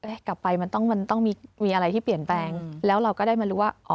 เอ๊ะกลับไปมันต้องมีอะไรที่เปลี่ยนแปลงแล้วเราก็ได้มารู้ว่า